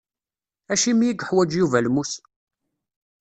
Acimi i yeḥwaǧ Yuba lmus?